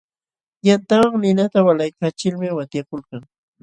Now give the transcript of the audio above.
Yantawan ninata walaykachilmi watyakuykan.